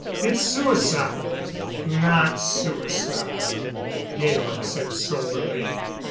It's suicide " "Not suicide," Georg said soberly.